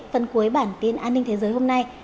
phần cuối bản tin an ninh thế giới hôm nay